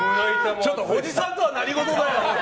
ちょっと、おじさんとは何事だよ！